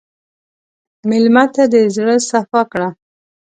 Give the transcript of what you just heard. مېلمه ته د زړه صفا کړه.